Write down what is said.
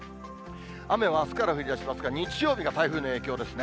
雨はあすから降りだしますが、日曜日が台風の影響ですね。